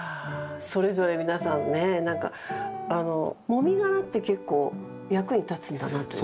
それぞれ皆さんね何かあのもみ殻って結構役に立つんだなって。